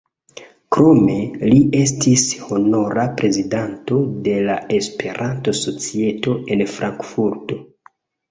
Krome li estis honora prezidanto de la Esperanto-Societo en Frankfurto.